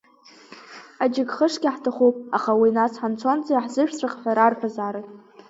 Аџьыкхышгьы ҳҭахуп, аха уи нас ҳанцонӡа иаҳзышәҵәах ҳәа рарҳәозаарын!